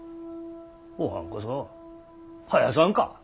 おはんこそ生やさんか。